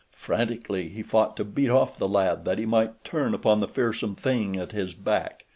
Frantically he fought to beat off the lad that he might turn upon the fearsome thing at his back.